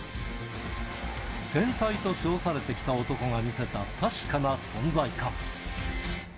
天才と称されてきた男が見せた確かな存在感。